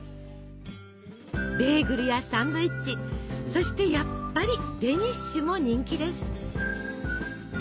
ベーグルやサンドイッチそしてやっぱりデニッシュも人気です。